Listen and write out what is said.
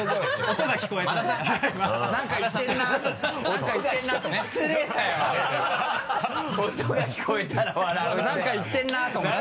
音が聞こえたら笑うって 何か言ってるなと思って。